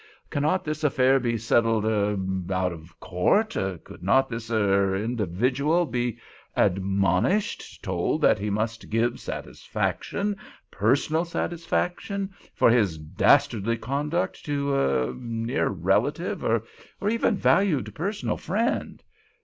Cannot this affair be settled—er—out of court? Could not this—er—individual—be admonished—told that he must give satisfaction—personal satisfaction—for his dastardly conduct—to —er—near relative—or even valued personal friend?